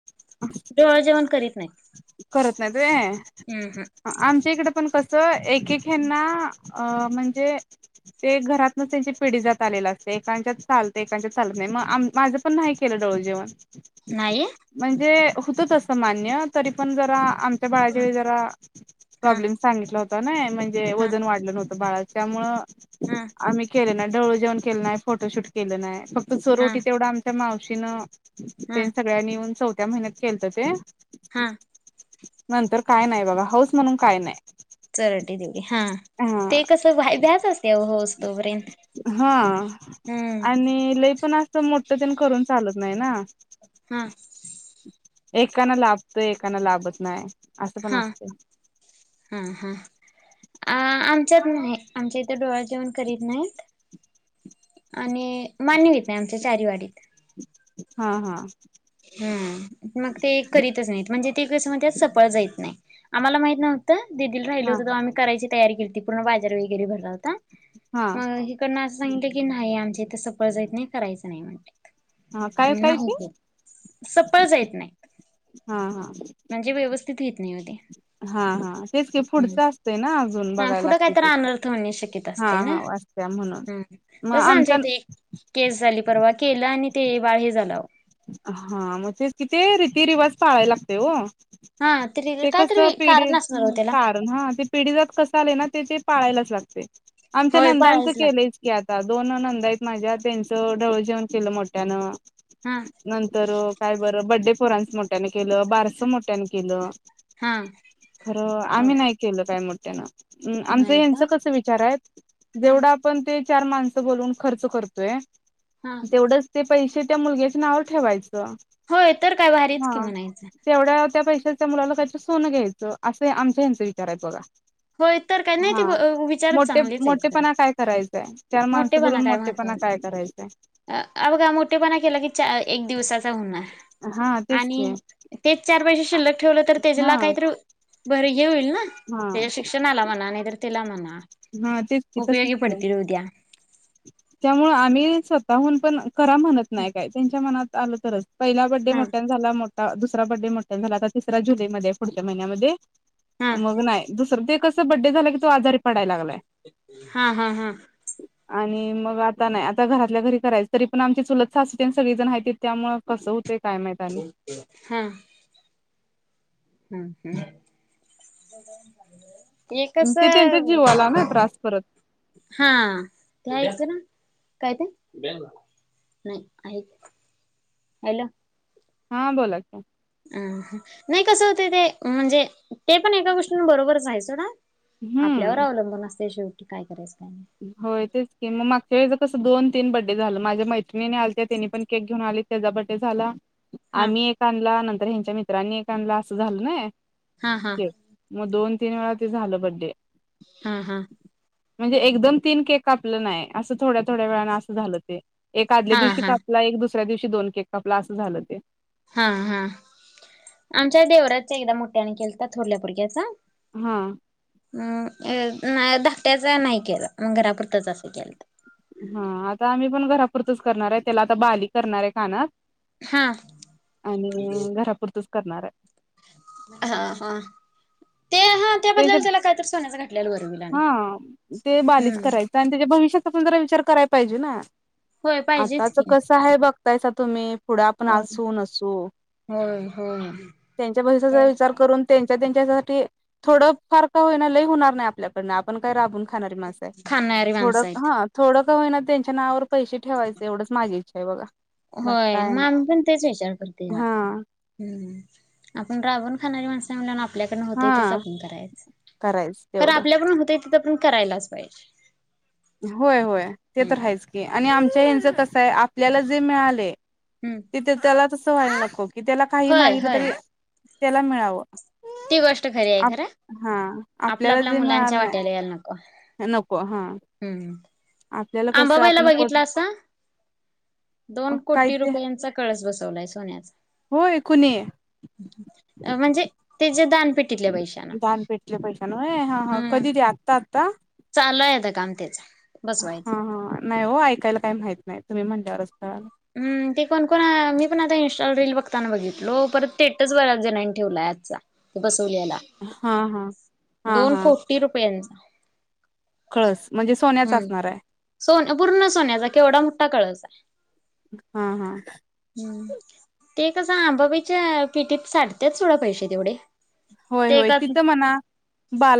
[inaudible] तेवा जेवण करीत नाही. करत नाहीते. हूं हूं! आमच्या इकडे पण कसं, एकेक ह्यांना अ म्हणजे. ते घरातनंच त्यांची पिढी जात आलेलं असते एकांच्यात चालत एकांच्यात चालत नाही म आम माझ पण नाही केलं डोहळ जेवण. नाही म्हणजे होत तस मान्य तरी पण जरां आम त्यां बाळाच्या हा वेळी जरा हा प्रॉब्लेम सांगितलां होता नां, म्हणजे हा वजन वाढलं नव्हतं बाळा त्यामुंळ हा आम्ही केलं नाही ढवळ जेवण केलं नाही फोटोशूट केलं नाही फक त हा चोरोओटी तेवढं आमच्या मावशीनं तेनं सगळ्यांनी येऊन चौथ्या महिन्यात केलत ते. हा नंतर काय नाही बाबा हाऊस म्हणून काय नाही. चोरंओटी देवढी हा हा ते कस व्हाय व्याज असते होवोसतोपर्यंत. हा आणि लई पण असं मोठ तेण करून चालत नाही ना. हं! एकाना लाभतय, एकाना लाभत नाय असं पण असत. हं हं! आ आमच्यात नाही, आमच्या इथे डोहाळे जेवण करीत नाहीत. आणि मान्यवीहीत नाही, आमच्या चारीवाडीत. हा हा! हूं मग ते करीतच नाहीत, म्हणजे ते कस म्हणत्या सफळ जाईत नाही, आम्हाला माहित नव्ह त दिदी लां राहिलं हा होत तवा आम्ही करायची तयारी केल ती पूर्ण बाजार वगैरे भरला होता हा मग ईकडनं असं सांगितलं की न्हाही आमच्या इथं सफळ जायत नाही करायचं नाही म्हणत्यात हा काय मं काय नाही ते की. सपळ जायेत नाहीत. हा हा! म्हणजे व्यवस्थित हेत नाही अ ते. हा हा तेच की हूं पुढचं असतंय ना अजून ह बघायला पुुढं काय लागतंय तर ते अनर्थ होण्याची शक्यता हा असते ना! हा वाचत्या म्हणून तस आमच्या इथे एक केस झाली परवा, केलं आणि ते बाळ हे झाल हा म तेच कि ते रीती रिवाज पाळायला लागते हो. हा तरी ते कस कायतरी पिढी कारण असणार ओ त्याला [unintelligible] नं हा ते पिढीजात कसं आलंय नां ते ते पाळायला च लागतंय, आमच्या होय पाळायच नंदाचं लागत केलंय. की आता दोन ननंदा आहेत माझ्या, त्यांचं ढवळ जेवण केलं मोठ्यानं. हा नंतर काय बरं बड्डे पोरांचं मोठ्याने केलं, बारसं मोठ्याने केलं. हा खरं अ आम्ही नाही केलं काय मोठ्यान. ऊं आमचं नाही का यांचं कस विचार आहेत हा जेवढ आप ण ते चार माणसं बोलवून खर्च करतोय. हा! तेवडच ते पैशे त्या मुलग्याच्या नावव ठेवायचं होय तर काय भारीच की म्हणायचं तेवड्या त्या पैशाच त्या मुलाला कायतर सोनं घ्यायचं असं आमच्या हेंचा विचारएत बगा होय तर काय नाही ते हा विचारच मोटे चांगलेच आहेत खरं मोटेपणा काय करायचाय चार माणसं मोठेपणा बोलवुन काय मोठे पणा महत्वाचा काय करायचाय अ बगा मोटेपणा केलं की चा एक दिवसाचा हुणार हा तेच आणि की तेच चार पैसे शिल्लक ठेवलं तर हा तेजला काइतरी बरं ये होईल ना हा तेजा शिक्षणाला म्हणा नाइतर तेला म्हणा उपयोगी पडतील उद्या त्यामुळ आमी स्वतःहून पण करा म्हणत नाई काय तेंच्या मनात आल तरच पइला बड्डे हा मोठ्यान झाला मोठा दुसरा बड्डे मोठ्यान झाला तर तिसरा जुलैमध्ये पुडच्या महिन्यामदे हा मग नाय दुसरं ते कस बड्डे झाला की तो आजारी पडाय लागलाय हा हा हा आणि मग आता नाय आता घरातल्या घरी करायच तरी पण आमचे चुलत सासु तेन सगळी जण हाइत त्यामुळ कसं हुतय काय माइत आणि हॅलो हम्म हम्म हे कस ते त्यांच्या जीवाला ना त्रास परत हा द्यायच ना काय ते नाही आहेतच हलो हा बोला की अम नाई कसं हुतय ते म्हणजे ते पण एका गोष्टींन बरोबरच हाय सोडा आपल्यावर हम्म अवलंबून असतय शेवटी काय करायचं काय होय तेच की म मागच्या वेळेच तस दोन तीन बड्डे झालं माझ्या मैत्रिणी आलत्या तेनी पण केक घेऊन आलित तेजा बड्डे झाला हा आमी एक आणला नंतर हेंच्या मित्रांनी एक आणला असं झालं नाइ हा हा म दोन तीन वेळा ते झालं बड्डे हां हां म्हणजे एकदम तीन केक कापलं नाय असं थोड्या थोड्या वेळान असं झालं ते एक आदल्या हा दिवशी हा कापला एक दुसऱ्या दिवशी दोन केक कापल आसं झालं ते हा हा आमच्या देवराजच एकदा मोठ्यान केलता थोरल्या पोरग्याचा हा अ ना धाकट्याचा नाही केला ग घरापुरतंच असं केला हा आता आमी पण घरापुरतच करणाराय तेला आता बाली करणाराय कानात हा आणि घरापुरतच करणाराय हा हा ते हा त्या तेज्या बदल्याला त्याला काहीतरी सोन्याचं घातलेलं बरं होईल आणि हा ते बालीच हम्म करायचं तेच्या भविष्याचा आपण जरा विचार कराय पाइजे ना होय पाहिजेच आताच की कसं हाय बघ बगतायसा तुमी पुड आपण होय असू नसू होय होय त्यांच्या भविष्याचा तेच विचार करून त्यांच्या त्यांच्यासाठी थोडं फार का होईना लय हुणार नाय आपल्याकडन आपण काय राबून खणारी माणस हाय खाणारी थोडं माणसं आहेत हा थोडं का होइना तेंच्या नावावर पैशे ठेवायच एवडच माजी इचा हाय बघा बाकी होय काय म नाही आमी पण तेच विचार करतोय हा बगा हम्म आपण राबुण खाणारी माणस चांगल्यान आपल्याकडनं हूतय तेच हा आपण करायचं, करायच खरं तेवढं आपल्या कडून हूतर तिथं पण करायलाच पायजे. होय होय, ते तर आहेच की, आणि आमच्या यांचं कसंय, आप आपल्याला जे मिळालय, हम्म ते त्याला तसं व्हायला नको, की त्याला काही होय मागलं होय तरी त्याला मिळावं, ती गोष्ट खरी आहे खरं हा आपला आपल्याला आपल्या जे मुलांच्या मिळालं नाय वाट्याला नको [unintelligible] न नको हा. हम्म आपल्याला कसं आंबाबाईला आपण कोठ बघितलासा? दोन काय कोटी ते रुपयांचा कळस बसवलाय सोन्याचा. होय कुणी? म्हणजे, तेच्या दानपेटीतल्या पैशे. दान पेटितल्या पैशानं होय हा कधी ते आत्ता आता चालु आय आता काम त्याच. हा बसवायच हा, नाही हो ऐकायला काही माहित नाही, तुम्ही म्हणल्यावर कळालं. हम्म, ते कोण कोण मी पण आता इंस्टा रील बघताना बघितलो, परत टेटच बऱ्याच जणांनी नी ठेवलाय आजचा. ते बसवलेला. हां हां हा हां. टी रुपयांचा. कळस म्हणजे सोन्याचा हम्म, असणार आहे सोन पूर्ण सोन्याचा केवढा मोठा कळस आय. हा हा. हम्म, ते कसं आंबाबाईच्या पिटीत साठत्यात सोडा पैशे तेवढे. होय ते होय का तिथं म्हणा,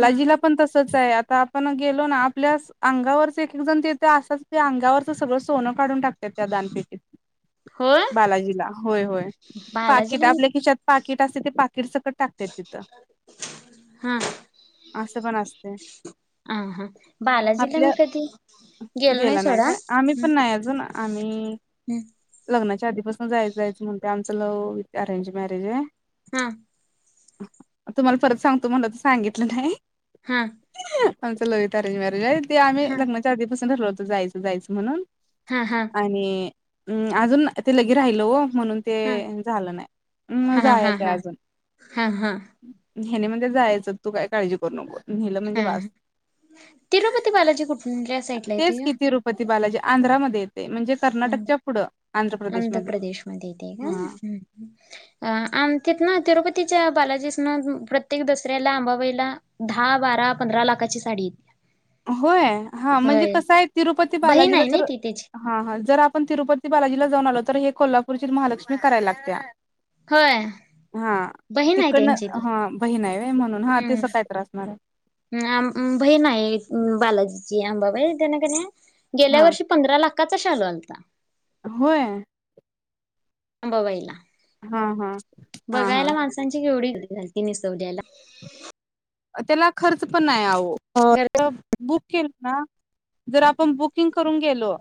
हा पण तसच आहे, आता आपण गेलो ना आपल्या अंगावरच एक एक जण देतेय असाच ते अंगावरच सगळं सोनं काढून टाकत्यात त्या दानपिटीत, होय बालाजीला, होय होय. पाकिट, बालाजीला मी आपल्या खीशात पाकिट असतय ते पाकिट सकट टाकतेत हां. असं पण असतय. आ हा, बालाजीला मी कधी गेलो गेला नाही सोडा. काय, आम्ही पण नाही अजून, आम्ही हम्म. लग्नाच्या आधीपासनं जायचं जायचं म्हणतय, आमचं लव्ह विथ अरेंज मॅरेज हाय. हा. मग तुम्हाला परत सांगतो म्हणलं तुम्हाला सांगितलं नाही हां. आमच लव्ह वीथ अरेंज मॅरेज हाय, ते आम्ही हा लग्नाच्या आधीपासून ठरवलं होतं जायच जायचं म्हणून हा हा. आणि, अजून ते लगे राहिलं ओ म्हणून हा ते झालं नाही, म जायाचं हाय अजून. हां हां. ह्यनी म्हणत्यात जायाचं, तू काय काळजी करू नको. नेलं म्हणजे हा बास, तिरुपती बालाजी कुठल्या साईडला तेच येतोय कि तीरु पती बालाजी, आंध्रामध्ये येतय, म्हणजे ग? कर्नाटकच्या पुढं आंध्र प्रदेशमध्ये, हां. अ आमच्यात ना तिरुपतीच्या बालाजीसनं प्रत्येक दसऱ्याला आंबाबाईला दहा, बारा, पंधरा लाखाची साडीे येतीया. होय? हा म्हणजे कसं हाय तिरुपती बहीण बालाजीला आहे ना जर ती त्याची हां हां जर आपण तिरुपती बालाजीला जाऊन आलो तर हे कोल्हापूरची महालक्ष्मी कराय लागत्या. होय हां, बहीण आहे तिकडन त्यांची ती हा बहीण हाय व्हय? म्हणून हा तिसं काय तर असणार हाय. आम बहीण हाय बालाजीची आंबाबाई, तेन कणी गेल्या हा वर्षी पंधरा लाखाचा शालू आलता. होय? अंबाबाईला, हा हा हा हा बघायला माणसांची केवढी गर्दी झालती निसवल्याला. त्याला खर्च पण नाही आवो, गर्दी बुक केल ना जर आपण बुक किंग करून गेलो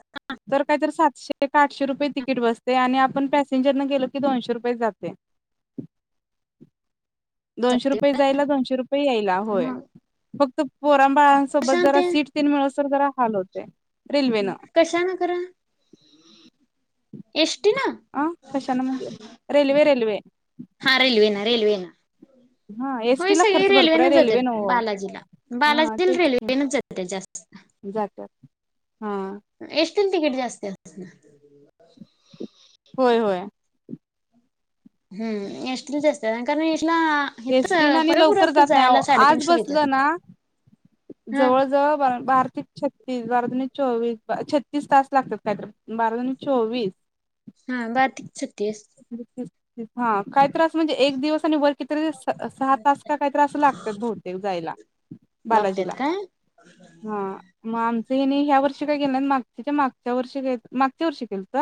तर काय तर सातशे काय आठशे रुपये तिकीट बसतय, आणि आपण पॅसेंजर न गेलो की दोनशे रुपयेत जातय. [inaudible] दोनशे रुपये जायला, दोनशे रुपये यायला, होय मग फक्त पोरां बाळां सोबत कशानं जरा ते सीट तीन मिळस तवर जरा हाल होतय. हम कशान खर? एस टी न? अ कशानं म्हणजे रेल्वे रेल्वे हा रेल्वे न रेल्वे न. हा होय एसटी ला सगळी खर्च भरपूर आहे रेल्वेन रेल्वे जात्यात नव्ह बालाजीला, हा बालाजीला तेच की रेल्वेनच जात्यात जास्त. जात्यात, हां. एस टी ला तिकीट जास्त. होय होय. हम्म एस टी ला जास्त हाय, कारण इथला एस टी न आणि लवकर जात नाही आवो, आज घेतात. बसलं ना हा जवळ जवळ बारातीक छत्तीस, बारा दोनी चोवीस, छत्तीस तास लागत्यात काय तर. बारा दोणी चोवीस. हां, बारतीक छतीस. हां, काय तर अस म्हणजे एक दिवस आणि वर कितीतरी सहा तास का काहीतर असं लागत्यात बहुतेक जायला. बालाजी लागतात ला. काय हा मग आमचं हेनी ह्या वर्षी काय गेलं नाहीत, मागच्याच्या मागच्या वर्षी मागच्या वर्षी गेलत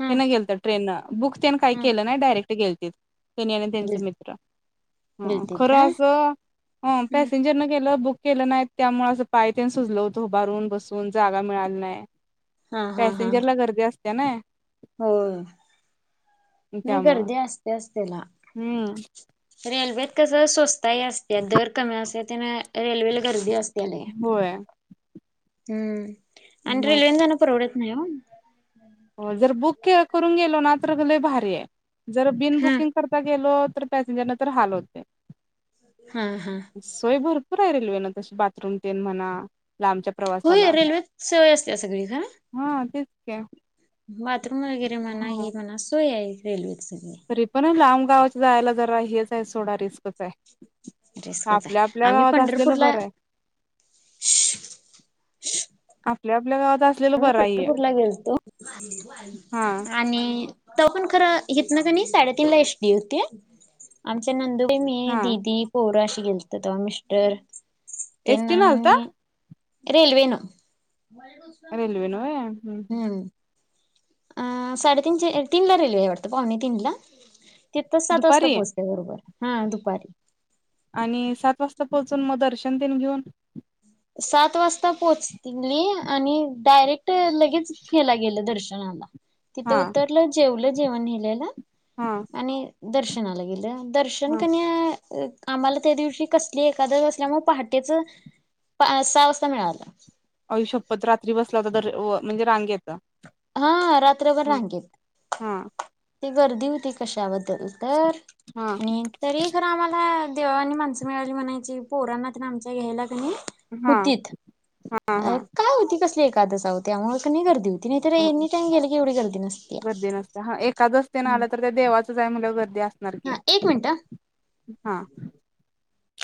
हा हेन गेलत ट्रेननं, बुक तेन काही हा केलं नाही डायरेक्ट गेलतील. तेनी आणि त्यांच मित्र. हं गिलतीत खरं काय असं पॅसेंजरन गेलं बुक केलं नाही त्यामुळे असं पाय तेन सुजल होतं उभारून, बसून जागा मिळाली नाही हा हा हा पॅसेंजर ला गर्दी असत्या नाय. होय, नाही त्यामुळं गर्दी असत्याच तेला. हम्म रेल्वेत कस स्वस्ताही असत्या, दर कमी असतोय तेनं रेल्वेला गर्दी असत्या लय. होय. हम्म आणि मग रेल्वे न जाण परवडत नाही वो. हो जर बुक करून गेलो ना तर लय भारी हाय, जर बिन हा बुकिंग करता गेलो तर पॅसेंजर न तर हाल होतय. हम हम. सोय भरपूर आहे रेल्वेन तशी बाथरूम तेन म्हणा लांबच्या होय प्रवासाला रेल्वेत सोय असत्या सगळीच हा. हां तेच की. बाथरूम वगैरे म्हणा, हा हे म्हणा सोय आहे रेल्वेेत सगळी. तरी पण लांब गावच्या जायला जरा हेच आहे सोडा रिस्कच आहे. रिस्कच आहे आपल्या आपल्या आम्ही गावात असलेल पंढरपूरला बरय. आपल्या आपल्या गावात आ आम्ही पंढरपूरला गेलतो हा आणि तेव्हा पण खर इथन कणय साडे तीन ला एस टी होती. आमच्या नंदुबाई, मी, हा दीदी, पोर अशी गेलतो तेव्हा मिस्टर. एसटी त्यांना न आलता आणि रेल्वेन. रेल्वे न व्हय हम्म अ साडेतीन ची, तीन ला रेल्वे आहे वाटत पाउणे तीन ला तिथ सात वाजता दुपारी पोहचते बरोबर. हां दुपारी आणि सात वाजता पोहोचून मग दर्शन तेन घेऊन सात वाजता पोहोचली आणि डायरेक्ट लगेच ह्याला गेल दर्शनाला. तिथ हा उतरल जेवल जेवण नेलेल हा आणि दर्शनाला गेलो. दर्शन हा कनाय आम्हाला त्या दिवशी कसली एकादस असल्यामुळे पहाटेच सहा वाजता मिळाल. आई शप्पत रात्री बसला होतात म्हणजे रांगेत. हां रात्रभर रांगेत. हां ती गर्दी होती कशाबद्दल तर हा आणि तरी खर आम्हाला देवावानी माणस मिळाली म्हणायची पोरांना तेन आमच्या घ्यायला कणी हा होतीत हा काय होती कसली एकादशी होत त्यामुळ कनय गर्दी होती. ती नीता ताई हा एनी टाईम गेला की एवढी गर्दी नसतीया ह एकादस तेन आल्या तर त्या देवाचच आहे म्हणल्यावर गर्दी असणार की हा एक मिनिट हा हां.